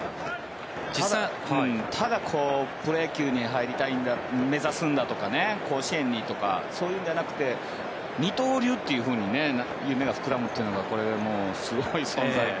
ただ、プロ野球に入りたいんだ目指すんだとか、甲子園にとかそういうのではなくて二刀流というふうに夢が膨らむというのがすごい存在。